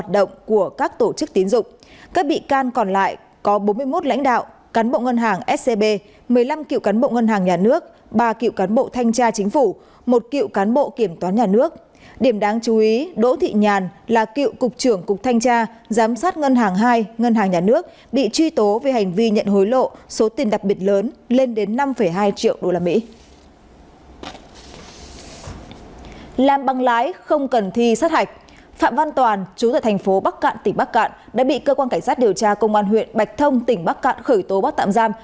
đã bị cơ quan cảnh sát điều tra công an huyện bạch thông tỉnh bắc cạn khởi tố bắt tạm giam